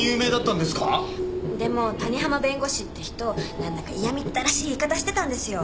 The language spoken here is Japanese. でも谷浜弁護士って人なんだか嫌みったらしい言い方してたんですよ。